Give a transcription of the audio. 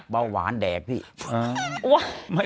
เบาหวานแดกพี่